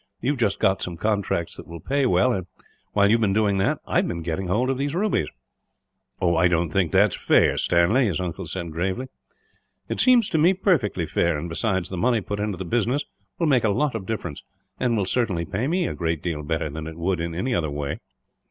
You have just got some contracts that will pay well and, while you have been doing that, I have been getting hold of these rubies." "I don't think that that is fair, Stanley," his uncle said, gravely. "It seems to me perfectly fair; and besides, the money put into the business will make a lot of difference, and will certainly pay me a great deal better than it would in any other way.